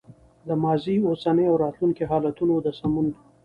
د ماضي، اوسني او راتلونکي حالتونو د سمون